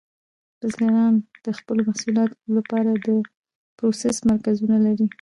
بزګران د خپلو محصولاتو لپاره د پروسس مرکزونه لري.